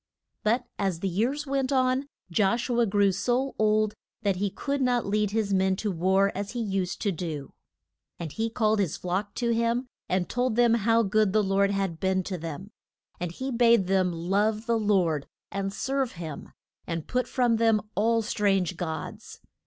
But as the years went on, Josh u a grew so old that he could not lead his men to war as he used to do. And he called his flock to him and told them how good the Lord had been to them. And he bade them love the Lord and serve him, and put from them all strange gods.